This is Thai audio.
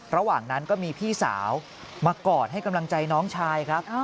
ระหว่างนั้นก็มีพี่สาวมากอดให้กำลังใจน้องชายครับ